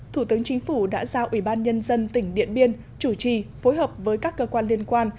thủ tướng chính phủ đã giao ủy ban nhân dân tỉnh điện biên chủ trì phối hợp với các cơ quan liên quan